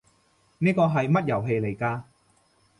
呢個係乜遊戲嚟㗎？